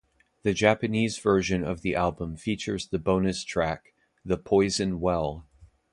The Japanese version of the album features the bonus track, "The Poison Well".